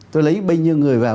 tôi lấy bây nhiêu người vào